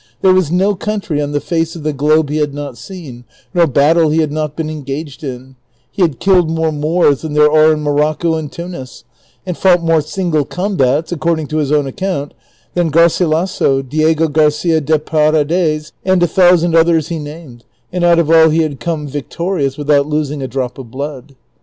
There was no country on the face of the globe he had not seen, nor battle he had not been engaged in; he iiad killed more Moors than there are in Moi'occo and Tunis, and fought more single combats, according to his own account, than (iarcilaso,' Diego Garcia de Paredes and a thousand others he named, and out of all he iiad come victorious without losing a drop of blood.